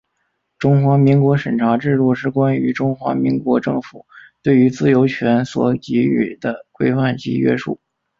中华民国审查制度是关于中华民国政府对于自由权所给予的规范及约束。